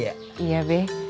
iya be nyari pahala